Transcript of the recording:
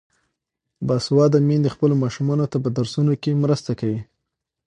باسواده میندې خپلو ماشومانو ته په درسونو کې مرسته کوي.